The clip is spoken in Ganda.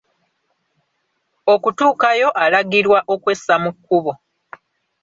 Okutuukayo alagirwa okwessa mu kkubo.